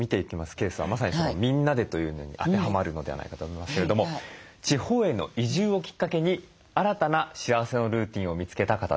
ケースはまさに「みんなで」というのに当てはまるのではないかと思いますけれども地方への移住をきっかけに新たな幸せのルーティンを見つけた方です。